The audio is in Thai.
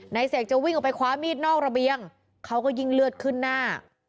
เสกจะวิ่งออกไปคว้ามีดนอกระเบียงเขาก็ยิ่งเลือดขึ้นหน้า